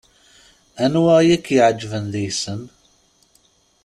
Anwa i ak-iɛeǧben deg-sen?